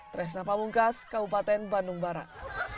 tresna pamungkas kabupaten bandung barat